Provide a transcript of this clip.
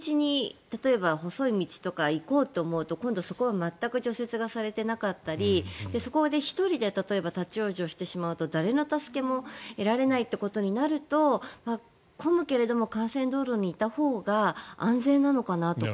例えば細い道とか行こうと思うと今度は全く除雪がされていなかったりそこで１人で例えば、立ち往生してしまうと誰の助けも得られないってことになると混むけれども幹線道路にいたほうが安全なのかなとか。